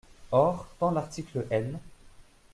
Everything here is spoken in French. Or, tant l’article L.